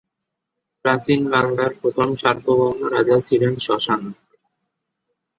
প্রাচীন বাংলার প্রথম সার্বভৌম রাজা ছিলেন শশাঙ্ক।